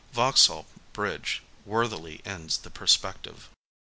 Vauxhall Bridge worthily ends the perspective.